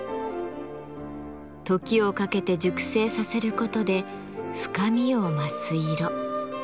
時をかけて熟成させることで深みを増す色。